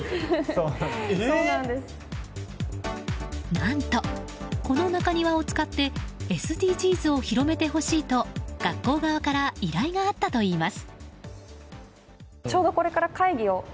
何と、この中庭を使ってＳＤＧｓを広めてほしいと学校側から依頼があったといいます。